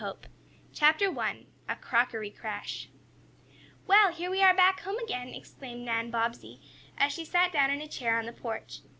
HAPPY DAYS CHAPTER I A CROCKERY CRASH "Well, here we are back home again!" exclaimed Nan Bobbsey, as she sat down in a chair on the porch.